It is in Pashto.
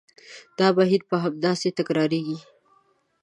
دا بهیر به همداسې تکرارېږي.